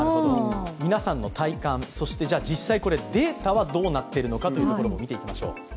皆さんの体感、そして実際データはどうなっているか見ていきましょう。